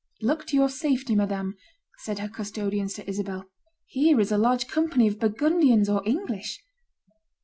"Look to your safety, madame," said her custodians to Isabel; "here is a large company of Burgundians or English."